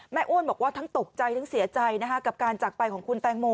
อ้วนบอกว่าทั้งตกใจทั้งเสียใจกับการจากไปของคุณแตงโม